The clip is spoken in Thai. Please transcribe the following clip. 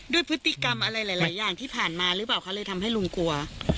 ด้วยพฤติกรรมอะไรหลายอย่างที่ผ่านมาหรือเปล่าคะเลยทำให้ลุงกลัว